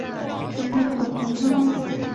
曾与杨坚同学。